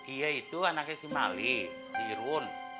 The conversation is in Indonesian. iya itu anaknya si mali si irun